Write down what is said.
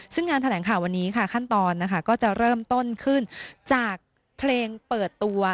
ซึ่งงานแถลงข่าววันนี้ค่ะขั้นตอนนะคะก็จะเริ่มต้นขึ้นจากเพลงเปิดตัว